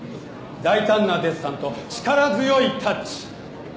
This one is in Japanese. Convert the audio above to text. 大胆なデッサンと力強いタッチ。